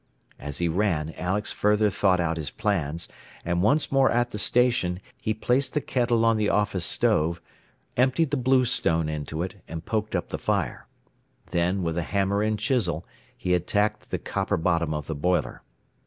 As he ran Alex further thought out his plans, and once more at the station, he placed the kettle on the office stove, emptied the bluestone into it, and poked up the fire. Then, with a hammer and chisel, he attacked the copper bottom of the boiler.